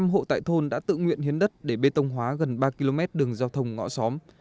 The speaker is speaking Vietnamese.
một mươi hộ tại thôn đã tự nguyện hiến đất để bê tông hóa gần ba km đường giao thông ngõ xóm